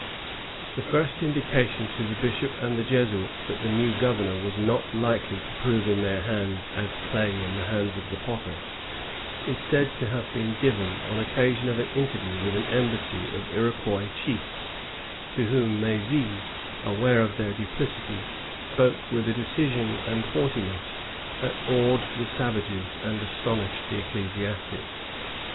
The first indication to the bishop and the Jesuits that the new governor was not likely to prove in their hands as clay in the hands of the potter, is said to have been given on occasion of an interview with an embassy of Iroquois chiefs, to whom M^zy, aware of their duplicity, spoke with a decision and haughti ness that awed the savages and astonished the eccle siastics.